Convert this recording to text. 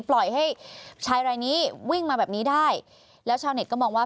ปล่อยให้ชายรายนี้วิ่งมาแบบนี้ได้แล้วชาวเน็ตก็มองว่า